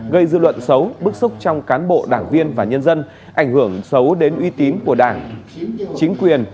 gây dư luận xấu bức xúc trong cán bộ đảng viên và nhân dân ảnh hưởng xấu đến uy tín của đảng chính quyền